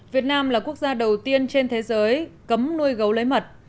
việt nam là quốc gia đầu tiên trên thế giới cấm nuôi gấu lấy mật